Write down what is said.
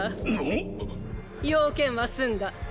用件はすんだ。